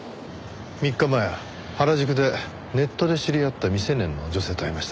３日前原宿でネットで知り合った未成年の女性と会いましたね。